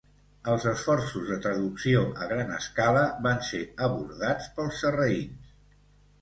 Els esforços de traducció a gran escala van ser abordats pels sarraïns.